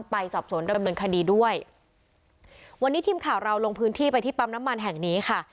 ไปสอบสวนดำเนินคดีด้วยวันนี้ทีมข่าวเราลงพื้นที่ไปที่ปั๊มน้ำมันแห่งนี้ค่ะ